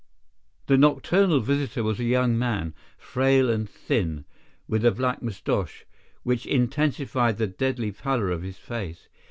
The nocturnal visitor was a young man, frail and thin, with a black moustache, which intensified the deadly pallor of his face.